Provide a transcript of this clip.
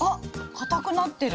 かたくなってる。